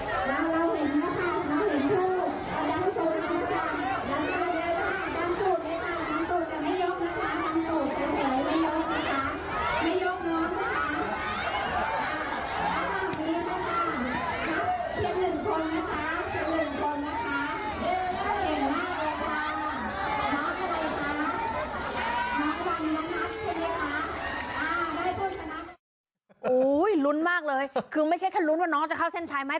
โอ้โหลุ้นมากเลยคือไม่ใช่แค่ลุ้นว่าน้องจะเข้าเส้นชัยไหม